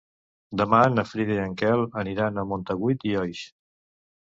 Demà na Frida i en Quel aniran a Montagut i Oix.